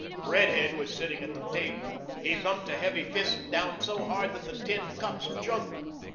Redhead was sitting at the table. He thumped a heavy fist down so hard that the tin cups jumped.